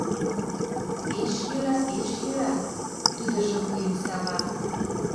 — Пеш йӧра, пеш йӧра! — тудыжо вуйым сава.